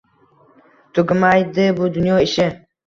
Tugamaydi bu dunyo ishi